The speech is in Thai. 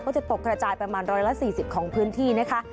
จะตกกระจายประมาณ๑๔๐ของพื้นที่นะคะ